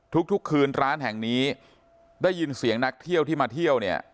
ทุกคืนร้านแห่งนี้ได้ยินเสียงนักเที่ยวที่มาเที่ยวเนี่ย